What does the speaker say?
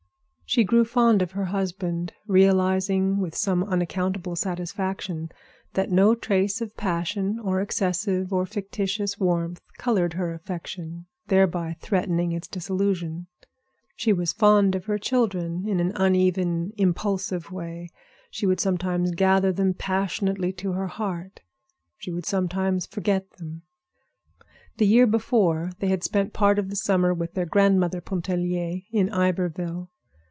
She grew fond of her husband, realizing with some unaccountable satisfaction that no trace of passion or excessive and fictitious warmth colored her affection, thereby threatening its dissolution. She was fond of her children in an uneven, impulsive way. She would sometimes gather them passionately to her heart; she would sometimes forget them. The year before they had spent part of the summer with their grandmother Pontellier in Iberville.